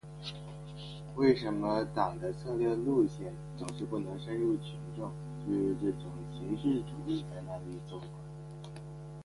为什么党的策略路线总是不能深入群众，就是这种形式主义在那里作怪。